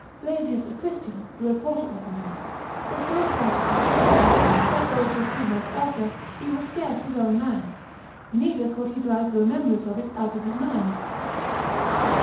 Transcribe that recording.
Blasius a Christian, the reporter of the news, was so affrighted for his part, that though it were two months after, he was scarce his own man, neither could he drive the remembrance of it out of his mind.